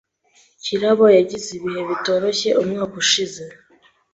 Kirabo yagize ibihe bitoroshye umwaka ushize.